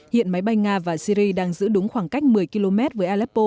hiện máy bay nga và syri đang giữ đúng khoảng cách một mươi km với aleppo